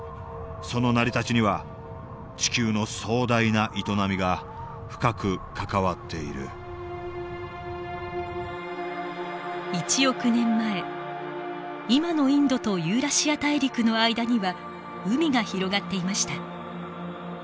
その成り立ちには地球の壮大な営みが深く関わっている１億年前今のインドとユーラシア大陸の間には海が広がっていました。